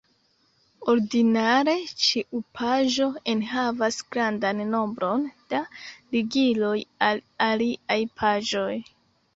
Ordinare, ĉiu paĝo enhavas grandan nombron da ligiloj al aliaj paĝoj.